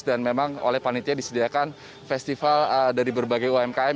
dan memang oleh panitia disediakan festival dari berbagai umkm